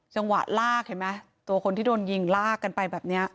จังหวะลากเห็นไหมตัวคนที่โดนยิงลากกันไปแบบนี้